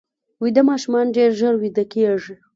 ویده ماشومان ډېر ژر ویده کېږي